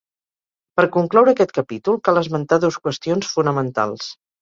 Per concloure aquest capítol, cal esmentar dos qüestions fonamentals.